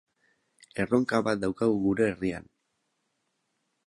Erronka bat daukagu gure herrian.